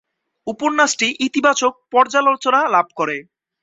উপন্যাসটি ইতিবাচক পর্যালোচনা লাভ করে।